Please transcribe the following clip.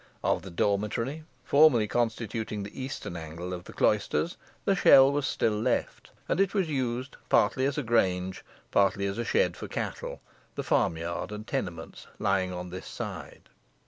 Of the dormitory, formerly constituting the eastern angle of the cloisters, the shell was still left, and it was used partly as a grange, partly as a shed for cattle, the farm yard and tenements lying on this side.